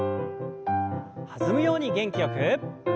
弾むように元気よく。